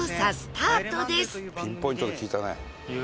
ピンポイントで聞いたね。